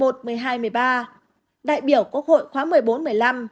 đại biểu quốc hội khóa một mươi bốn một mươi năm